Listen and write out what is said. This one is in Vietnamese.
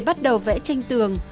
để bắt đầu vẽ tranh trên tường